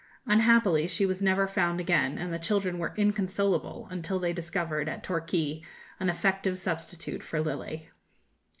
Unhappily she was never found again, and the children were inconsolable until they discovered, at Torquay, an effective substitute for 'Lily.'